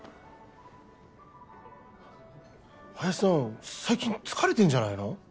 林さん最近疲れてるんじゃないの？